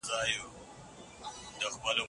ډیپلوماټیک ماموریتونه د دولتونو ترمنځ ارتباط ساتي.